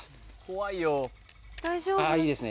いいですね